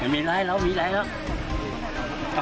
มีอะไรแล้วมีอะไรแล้ว